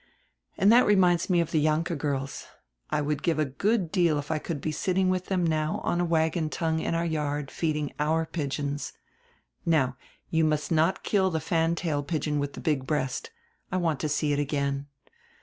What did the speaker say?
And that reminds me of die Jahnke girls. I would give a good deal if I could be sitting with them on a wagon tongue in our yard and feeding our pigeons. Now, you must not kill die fan tail pigeon widi die big breast; I want to see it again.